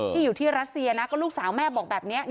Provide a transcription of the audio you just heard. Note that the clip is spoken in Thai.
อยู่ที่รัสเซียนะก็ลูกสาวแม่บอกแบบนี้